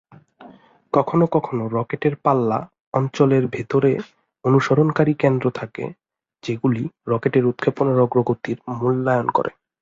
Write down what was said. কখনও কখনও রকেটের পাল্লা অঞ্চলের ভেতরে অনুসরণকারী কেন্দ্র থাকে যেগুলি রকেট উৎক্ষেপণের অগ্রগতির মূল্যায়ন করে।